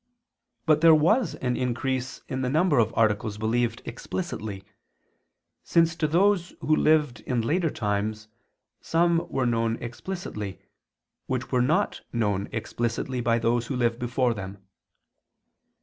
But there was an increase in the number of articles believed explicitly, since to those who lived in later times some were known explicitly which were not known explicitly by those who lived before them.